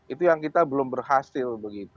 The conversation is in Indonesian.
itu yang kita belum berhasil